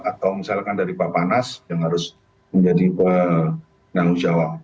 atau misalkan dari bapak nas yang harus menjadi penanggung jawab